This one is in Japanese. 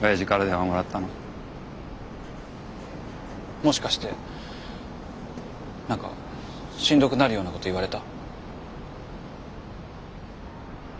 もしかして何かしんどくなるようなこと言われた？